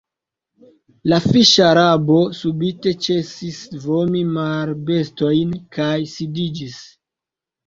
La fiŝ-Arabo subite ĉesis vomi marbestojn kaj sidiĝis.